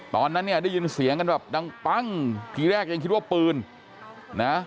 ตอนนั้นเนี่ยได้ยินเสียงกันแบบดังปั้งทีแรกยังคิดว่าปืนนะ